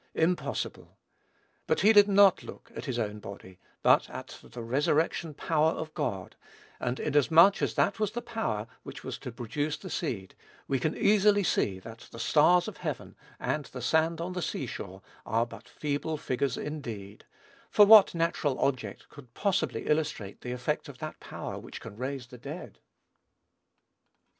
Impossible. But he did not look at his own body, but at the resurrection power of God; and, inasmuch as that was the power which was to produce the seed, we can easily see that the stars of heaven and the sand on the sea shore are but feeble figures indeed; for what natural object could possibly illustrate the effect of that power which can raise the dead?